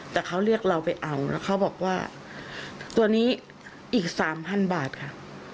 แต่เขาเรียกเราไปเอาแล้วเขาบอกว่าตัวนี้อีกสามพันบาทค่ะ